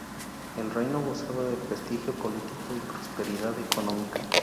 El reino gozaba de prestigio político y prosperidad económica.